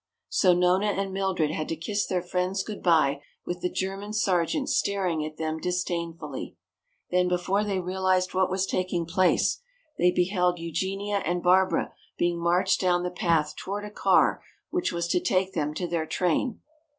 So Nona and Mildred had to kiss their friends good bye with the German sergeant staring at them disdainfully. Then before they realized what was taking place they beheld Eugenia and Barbara being marched down the path toward a car which was to take them to their train.